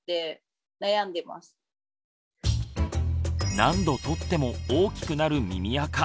何度取っても大きくなる耳あか